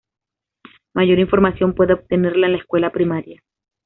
Mayor información puede obtenerla en la escuela primaria.